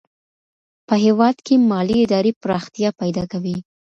په هېواد کي مالي ادارې پراختيا پيدا کوي.